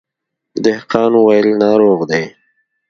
دهقان وويل ناروغ دی.